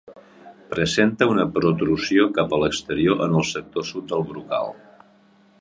Presenta una protrusió cap a l'exterior en el sector sud del brocal.